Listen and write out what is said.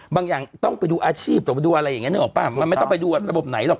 บางอย่างต้องไปดูอาชีพเดิมดูอะไรอย่างเงี้ยไม่ต้องไปดูระบบไหนหรอก